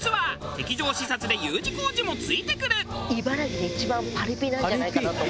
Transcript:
敵情視察でＵ字工事もついてくる！